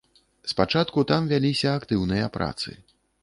Спачатку там вяліся актыўныя працы.